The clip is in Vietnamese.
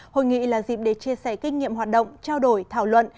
hội nghị là dịp để chia sẻ kinh nghiệm hoạt động trao đổi thảo luận